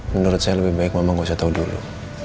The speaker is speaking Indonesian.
menurut saya lebih baik mama nggak usah tahu dulu